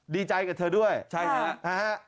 ดีใจกับเธอด้วยใช่ฮะ